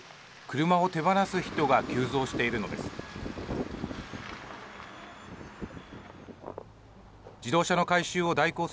車を手放す人が急増しているのです。